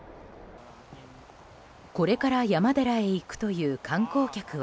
これから山寺へ行くという観光客は。